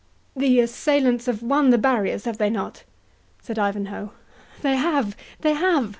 "The assailants have won the barriers, have they not?" said Ivanhoe. "They have—they have!"